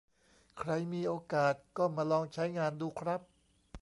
ใครมีโอกาสก็มาลองใช้งานดูครับ